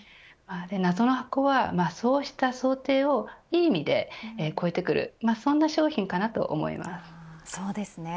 謎の箱は、そうした想定をいい意味で越えてくるそんな商品かなと思います。